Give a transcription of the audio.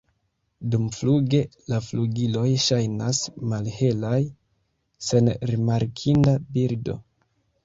Dumfluge la flugiloj ŝajnas malhelaj, sen rimarkinda bildo.